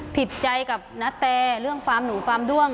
ผิดใจกับณแตเรื่องฟาร์มหนูฟาร์มด้วง